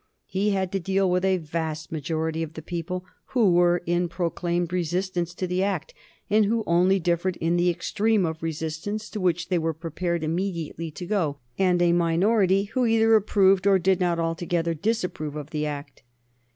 He had to deal with a vast majority of the people who were in proclaimed resistance to the Act, and who only differed in the extreme of resistance to which they were prepared immediately to go, and a minority who either approved or did not altogether disapprove of the Act.